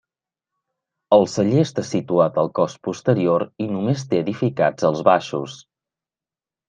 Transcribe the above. El celler està situat al cos posterior i només té edificats els baixos.